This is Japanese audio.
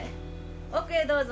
奥へどうぞ。